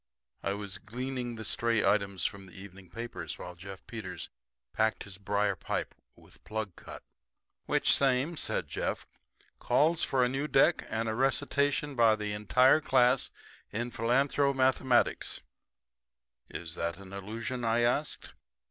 I was gleaning the stray items from the evening papers while Jeff Peters packed his briar pipe with plug cut. "Which same," said Jeff, "calls for a new deck, and a recitation by the entire class in philanthromathematics." "Is that an allusion?" I asked.